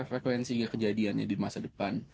frekuensi hingga kejadiannya di masa depan